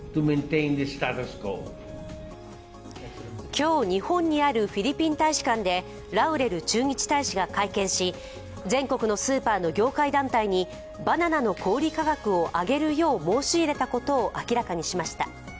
今日、日本にあるフィリピン大使館でラウレル駐日大使が会見し全国のスーパーの業界団体にバナナの小売価格を上げるよう申し入れたことを明らかにしました。